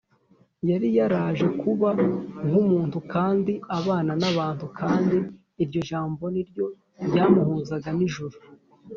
Yari yaraje kuba nk’umuntu kandi abana n’abantu, kandi iryo jambo niryo ryamuhuzaga n’ijuru